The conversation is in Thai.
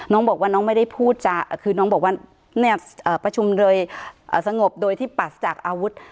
น้องบอกว่าน้องไม่ได้พูดจะคือน้องบอกว่าเนี่ยประชุมโดยสงบโดยที่ปรัสจากอาวุธ